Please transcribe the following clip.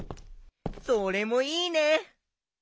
それもいいね！